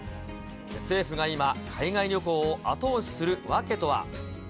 政府が今、海外旅行を後押しする訳とは。